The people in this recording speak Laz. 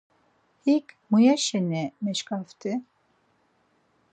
Hik muyaşeni meşǩaxti?